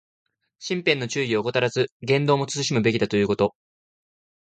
身辺の注意を怠らず、言動も慎むべきだということ。